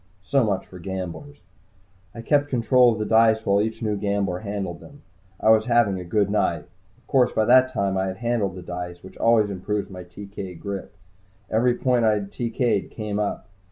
So much for gamblers. I kept control of the dice while each new gambler handled them. I was having a good night. Of course, by that time I had handled the dice, which always improves my TK grip. Every point I had TK'd came up.